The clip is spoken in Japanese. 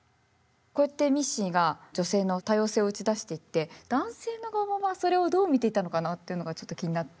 こうやってミッシーが女性の多様性を打ち出していって男性の側はそれをどう見ていたのかなっていうのがちょっと気になって。